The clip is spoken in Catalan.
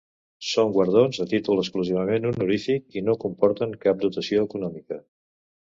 Són guardons a títol exclusivament honorífic i no comporten cap dotació econòmica.